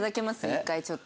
一回ちょっと。